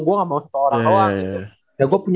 gue gak mau satu orang